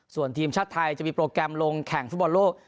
ส่วนทีมชาติไทยจะมีโปรแกรมลงแข่งฟุตบอลโลก